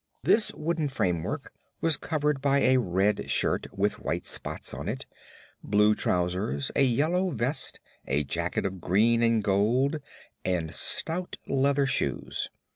This wooden framework was covered by a red shirt with white spots in it blue trousers, a yellow vest, a jacket of green and gold and stout leather shoes.